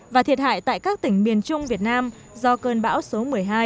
và thiệt hại tại các tỉnh miền trung việt nam do cơn bão số một mươi hai